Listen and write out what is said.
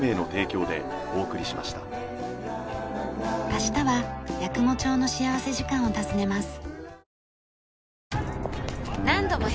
明日は八雲町の幸福時間を訪ねます。